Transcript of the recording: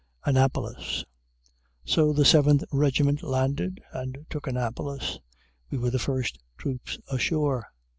ANNAPOLIS So the Seventh Regiment landed and took Annapolis. We were the first troops ashore.